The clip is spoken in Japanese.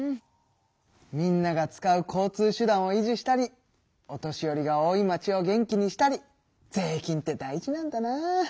みんなが使う交通手段を維持したりお年寄りが多い町を元気にしたり税金って大事なんだな！